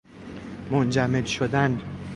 منجمد شدن